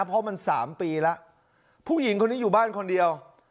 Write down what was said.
เพราะมัน๓ปีแล้วผู้หญิงคนนี้อยู่บ้านคนเดียว